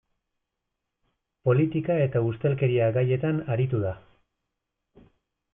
Politika eta ustelkeria gaietan aritu da.